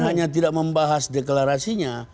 hanya tidak membahas deklarasinya